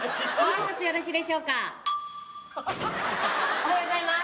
おはようございます。